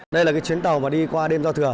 đây là cái chuyến tàu mà đi qua đêm giao thừa